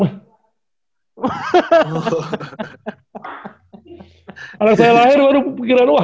kalau saya lahir baru kepikiran wah